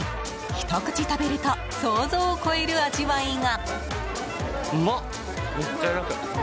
ひと口食べると想像を超える味わいが。